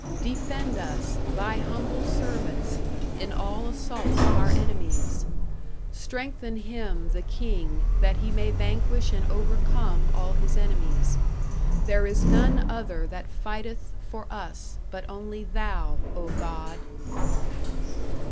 Defend us, Thy humble servants, in all assaults of our enemies. Strengthen him (the King) that he may vanquish and overcome all his enemies. There is none other that fighteth for us, but only Thou, O God.